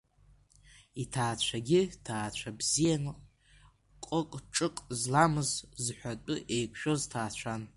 Иҭаацәагьы ҭаацәа бзиан, ҟыҟ-ҿыҟ зламыз, зҳәатәы еиқәшәоз ҭаацәан.